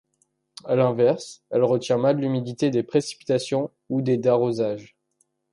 À l'inverse elle retient mal l'humidité des précipitations ou des d'arrosages.